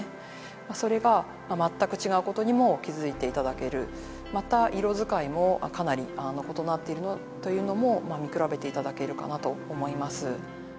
それが全く違うことにも気づいていただけるまた色使いもかなり異なっているというのも見比べていただけるかなと思います